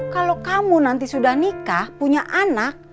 kalau kamu nanti sudah nikah punya anak